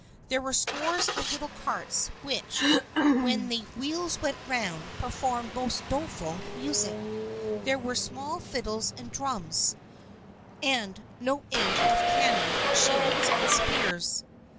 There were scores of little carts, which, when the wheels went round, performed most doleful music. There were small fiddles and drums, and no end of cannon, shields and spears.